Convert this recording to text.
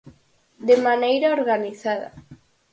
De maneira organizada.